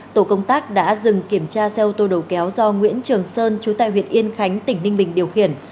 tổ công tác đã dừng kiểm tra xe ô tô đầu kéo do nguyễn trường sơn trú tại huyện yên khánh tỉnh ninh bình điều khiển